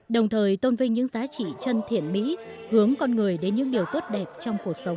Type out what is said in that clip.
đồng thời tôn vinh những giá trị chân thiện mỹ hướng con người đến những điều tốt đẹp trong cuộc sống